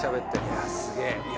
いやすげえ。